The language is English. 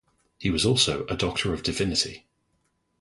He was also a Doctor of Divinity.